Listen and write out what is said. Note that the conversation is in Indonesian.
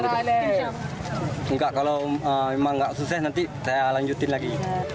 tidak kalau memang tidak sukses nanti saya lanjutkan lagi